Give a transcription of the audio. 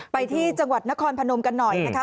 ไปที่จังหวัดนครพนมกันหน่อยนะคะ